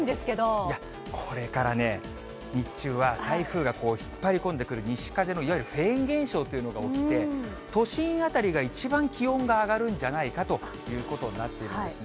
いや、これからね、日中は台風が引っ張り込んでくる西風のいわゆるフェーン現象というのが起きて、都心辺りが一番気温が上がるんじゃないかということになってるんですね。